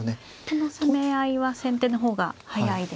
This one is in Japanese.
この攻め合いは先手の方が速いですか。